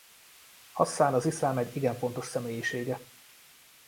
Hasszán az iszlám egy igen fontos személyisége.